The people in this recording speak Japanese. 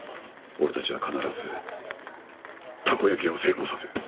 俺たちは必ずたこ焼き屋を成功させる。